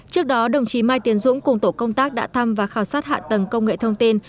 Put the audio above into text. trước đó đồng chí mai tiến dũng cùng tổ công tác đã thăm và khảo sát hạ tầng công nghệ thông tin